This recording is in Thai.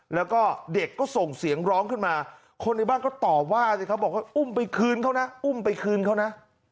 แล้วก็เด็กก็ส่งเสียงร้องขึ้นมาคนในบ้านก็ตอบว่าบอกว่าอุ้มไปคืนเขานะ